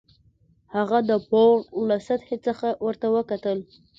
هغه د پوړ له سطحې څخه ورته وکتل